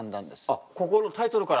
あっここのタイトルから。